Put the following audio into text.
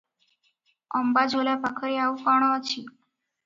ଅମ୍ବାଝୋଲା ପାଖରେ ଆଉ କଣ ଅଛି?